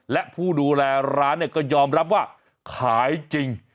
และผู้ดูแลร้านก็ยอมรับว่าขายจริง